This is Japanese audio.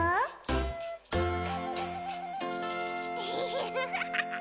フフフフ。